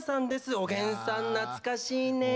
おげんさん、懐かしいね！